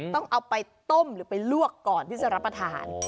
ต้องเอาไปต้มหรือไปลวกก่อนที่จะรับประทาน